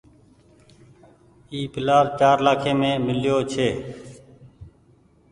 اي پلآٽ چآر لآکي مين ميليو ڇي ۔